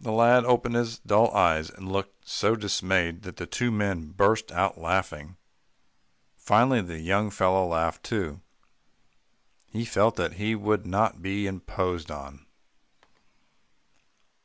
The lad opened his dull eyes, and looked so dismayed, that the two men burst out laughing. Finally the young fellow laughed too. He felt that he would not be imposed on.